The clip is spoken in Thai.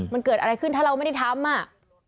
มันเกิดอะไรขึ้นถ้าเราไม่ได้ทำอ่ะ